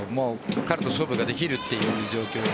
彼と勝負ができるという状況